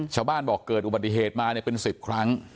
ชาวบ้านบอกเกิดอุบัติเหตุมาเป็น๑๐ครั้ง